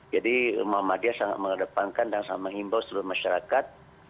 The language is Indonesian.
jadi muhammadiyah sangat mengedepankan dan sangat mengimbau seluruh masyarakat